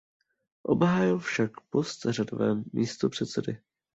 Obhájil však post řadového místopředsedy.